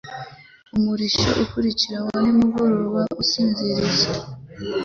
Umurishyo ubukira Wa nimugoroba, usinziriza